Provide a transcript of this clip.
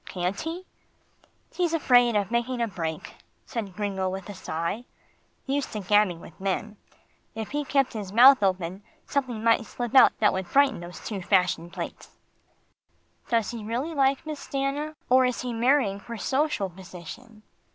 Can't he?" "He's afraid of making a break," said Gringo with a sigh. "Used to gabbing with men. If he kept his mouth open, something might slip out that would frighten those two fashion plates." "Does he really like Miss Stanna, or is he marrying for social position?"